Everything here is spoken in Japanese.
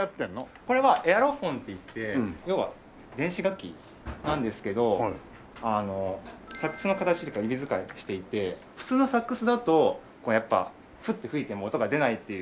これはエアロフォンっていって要は電子楽器なんですけどサックスの形とか指使いをしていて普通のサックスだとやっぱフッと吹いても音が出ないっていう。